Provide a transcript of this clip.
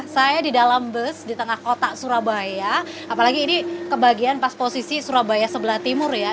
saya di dalam bus di tengah kota surabaya apalagi ini kebagian pas posisi surabaya sebelah timur ya